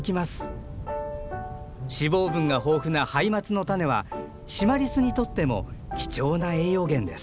脂肪分が豊富なハイマツの種はシマリスにとっても貴重な栄養源です。